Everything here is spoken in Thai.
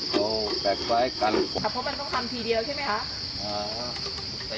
ต้องการพาเท่านี้มากขึ้น